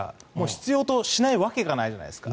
必要としないわけがないじゃないですか。